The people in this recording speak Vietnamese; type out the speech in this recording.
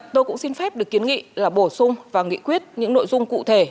tôi cũng xin phép được kiến nghị là bổ sung vào nghị quyết những nội dung cụ thể